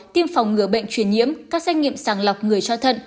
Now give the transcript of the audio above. tiêm phòng ngừa bệnh truyền nhiễm các xét nghiệm sàng lọc người cho thận